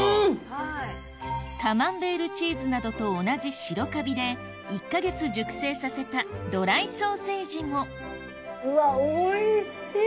カマンベールチーズなどと同じ白カビで１か月熟成させたドライソーセージもうわおいしい！